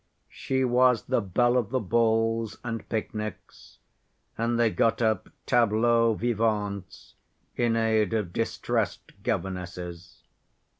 She was the belle of the balls and picnics, and they got up tableaux vivants in aid of distressed governesses.